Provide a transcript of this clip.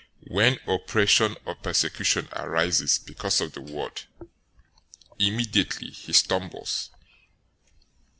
When oppression or persecution arises because of the word, immediately he stumbles.